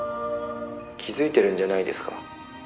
「気づいてるんじゃないですか？」